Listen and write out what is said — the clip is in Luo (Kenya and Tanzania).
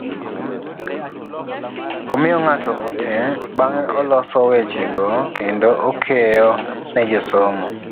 Omiyo ng'ato ote bang'e oloso weche go kendo okeyo ne josomo.